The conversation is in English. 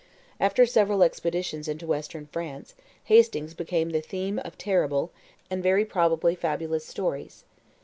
After several expeditions into Western France, Hastings became the theme of terrible, and very probably fabulous stories.